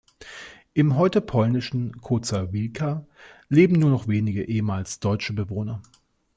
Im heute polnischen Koza Wielka leben nur noch wenige ehemals deutsche Bewohner.